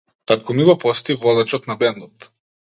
Татко ми го посети водачот на бендот.